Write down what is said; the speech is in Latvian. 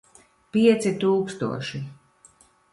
Pieci tūkstoši.